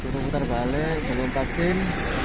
putar balik belum vaksin